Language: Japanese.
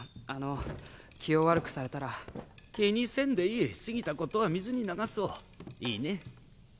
あの気を悪くされたら気にせんでいい過ぎたことは水に流そういいね？